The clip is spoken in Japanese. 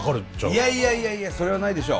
いやいやいやいやそれはないでしょ。